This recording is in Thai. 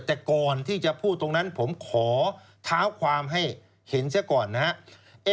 แต่ก่อนที่จะพูดตรงนั้นผมขอเท้าความให้เห็นเสียก่อนนะครับ